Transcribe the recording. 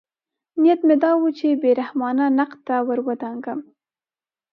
نیت مې دا و چې بې رحمانه نقد ته ورودانګم.